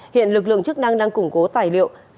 hiện lực lượng chức năng đang củng cố tài liệu của quán ba grammy